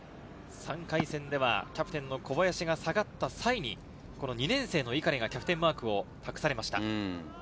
３回戦ではキャプテンの小林が下がった際にこの２年生の碇がキャプテンマークを託されました。